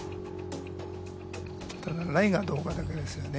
ただラインがどうかだけですよね。